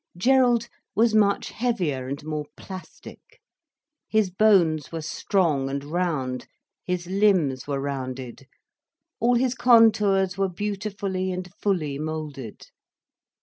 Gerald was much heavier and more plastic. His bones were strong and round, his limbs were rounded, all his contours were beautifully and fully moulded.